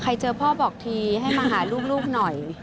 เจอพ่อบอกทีให้มาหาลูกหน่อย